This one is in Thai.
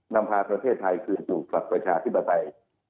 นำพาประเทศไทยคืนสู่ฝักประชาธิบัติที่ถูกต้อง